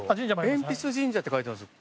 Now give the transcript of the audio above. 鉛筆神社って書いてあります。